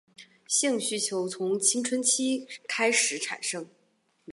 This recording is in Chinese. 性需求从青春期开始产生。